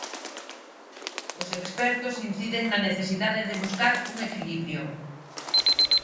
Os expertos inciden na necesidade de buscar un equilibrio.